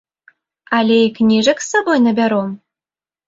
Але і кніжак з сабой набяром?